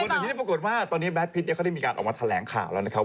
แต่ทีนี้ปรากฏว่าตอนนี้แดดพิษเขาได้มีการออกมาแถลงข่าวแล้วนะครับ